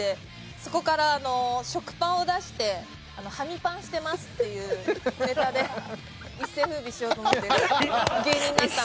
そこから食パンを出して「ハミパンしてます」っていうネタで一世風靡しようと思って芸人になったので。